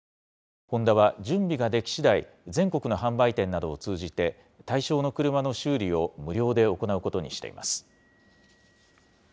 ホンダは、準備ができしだい、全国の販売店などを通じて、対象の車の修理を無料で行うことにしています。